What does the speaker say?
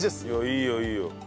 いいよいいよ。